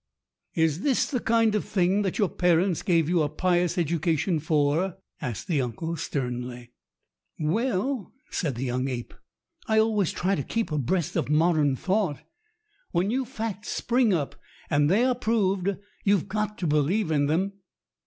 "Is this the kind of thing that your parents gave you a pious education for?" asked the uncle sternly. 326 STORIES WITHOUT TEARS "Well," said the young ape, "I always try to keep abreast of modern thought. When new facts spring up and they are proved you've got to believe in them."